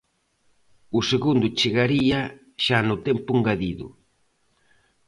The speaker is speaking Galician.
O segundo chegaría xa no tempo engadido.